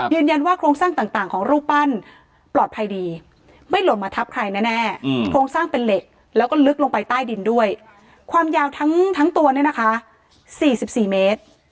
โครงสร้างต่างของรูปปั้นปลอดภัยดีไม่หล่นมาทับใครแน่โครงสร้างเป็นเหล็กแล้วก็ลึกลงไปใต้ดินด้วยความยาวทั้งตัวเนี่ยนะคะ๔๔เมตร